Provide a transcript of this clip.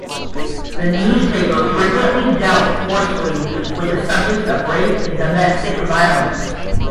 The newspaper frequently dealt forcefully with the subjects of rape and domestic violence.